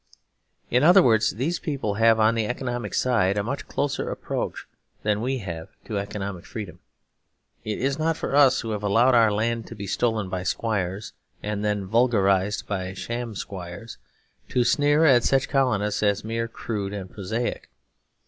In other words, these people have on the economic side a much closer approach than we have to economic freedom. It is not for us, who have allowed our land to be stolen by squires and then vulgarised by sham squires, to sneer at such colonists as merely crude and prosaic.